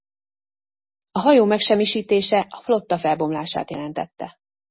A hajó megsemmisítése a flotta felbomlását jelentette.